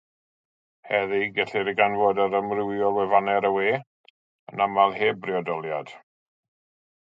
Heddiw, gellir ei ganfod ar amrywiol gwefannau ar y we, yn aml heb priodoliad.